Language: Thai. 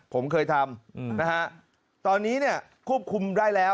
ผมเคยทำนะฮะตอนนี้เนี่ยควบคุมได้แล้ว